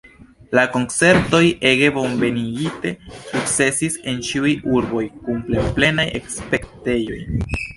La koncertoj, ege bonvenigite, sukcesis en ĉiuj urboj kun plenplenaj spektejoj.